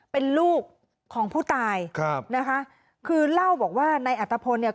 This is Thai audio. เป็นลูกของผู้ตายคือเล่าบอกว่าในอัตภพลเนี่ย